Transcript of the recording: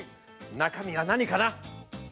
中身は何かな？